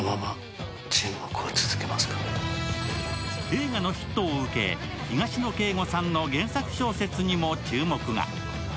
映画のヒットを受け、東野圭吾さんの原作小説にも注目が。